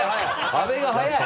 阿部が速い！